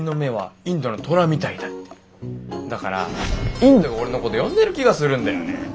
だからインドが俺のこと呼んでる気がするんだよね。